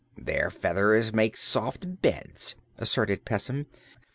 "Their feathers make soft beds," asserted Pessim.